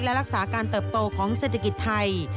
และรักษาการเติบโตของเศรษฐกิจไทย